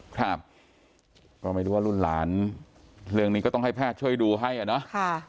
ครับก็ไม่รู้ว่ารุ่นหลานเรื่องนี้ก็ต้องให้แพทย์ช่วยดูให้อ่ะเนาะ